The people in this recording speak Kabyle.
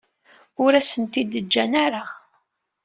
Ur asen-tent-id-ǧǧan ara.